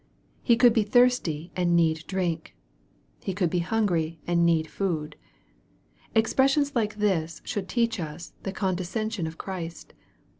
He could be thirsty, and need drink. He could be hungry, and need food. Expressions like this should teach us the condescen sion of Christ.